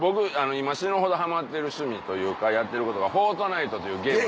今死ぬほどハマってる趣味というかやってることが『フォートナイト』というゲーム。